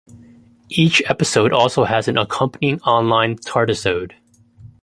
Each episode also has an accompanying online Tardisode.